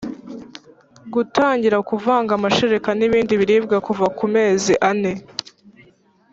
Gutangira kuvanga amashereka n ibindi biribwa kuva ku mezi ane